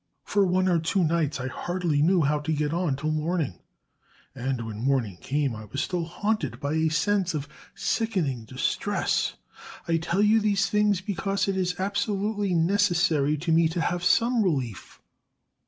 For one or two nights I hardly knew how to get on till morning; and when morning came I was still haunted by a sense of sickening distress. I tell you these things because it is absolutely necessary to me to have SOME relief.